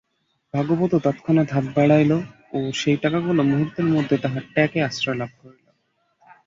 ভাগবত তৎক্ষণাৎ হাত বাড়াইল ও সেই টাকাগুলা মুহূর্তের মধ্যে তাহার ট্যাঁকে আশ্রয় লাভ করিল।